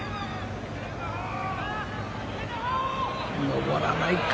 上らないか。